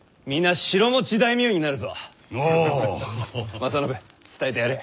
正信伝えてやれ。